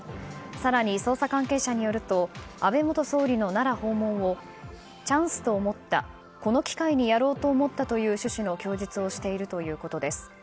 更に捜査関係者によると安倍元総理の奈良訪問をチャンスと思ったこの機会にやろうと思ったという趣旨の供述をしているということです。